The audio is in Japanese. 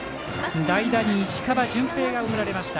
代打に石川純平が送られました。